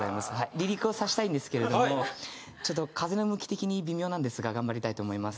離陸をさせたいんですけれどもちょっと風の向き的に微妙なんですが頑張りたいと思います。